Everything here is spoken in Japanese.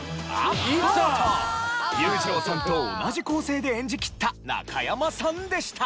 裕次郎さんと同じ構成で演じきった中山さんでした。